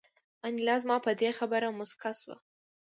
انیلا زما په دې خبره موسکه شوه